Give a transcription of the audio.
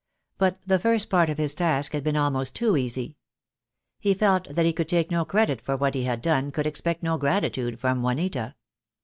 But the first part of his task had been almost too easy. He felt that he THE DAY WILL COME. 201 could take no credit for what he had done, could expect no gratitude from Juanita.